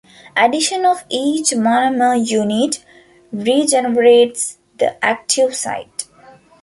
Addition of each monomer unit regenerates the active site.